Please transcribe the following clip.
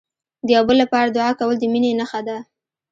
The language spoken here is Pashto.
د یو بل لپاره دعا کول، د مینې نښه ده.